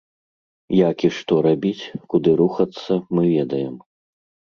Як і што рабіць, куды рухацца, мы ведаем.